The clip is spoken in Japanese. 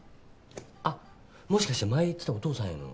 あっもしかして前言ってたお父さんへの。